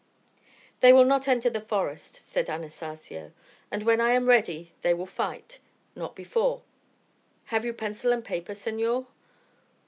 "They will not enter the forest," said Anastacio; "and when I am ready they will fight, not before. Have you pencil and paper, senor?"